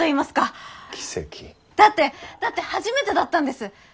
だってだって初めてだったんです。